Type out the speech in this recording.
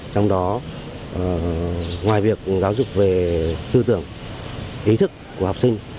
trong đó ngoài việc giáo dục về tư tưởng ý thức của học sinh